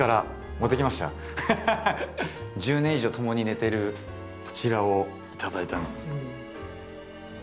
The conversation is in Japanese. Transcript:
１０年以上ともに寝てるこちらを頂いたんです。